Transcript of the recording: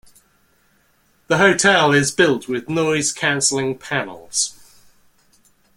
The hotel is built with noise canceling panels.